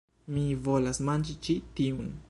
Mi volas manĝi ĉi tiun